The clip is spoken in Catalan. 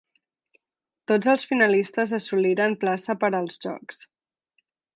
Tots els finalistes assoliren plaça per als Jocs.